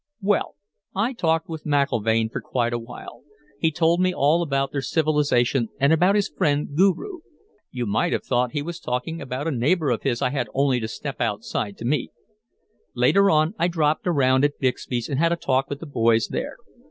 "Well, I talked with McIlvaine for quite a while. He told me all about their civilization and about his friend, Guru. You might have thought he was talking about a neighbor of his I had only to step outside to meet. "Later on, I dropped around at Bixby's and had a talk with the boys there.